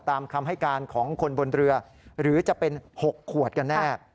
ตามคำให้การของคนบนเรือหรือจะเป็น๖ขวดกันแน่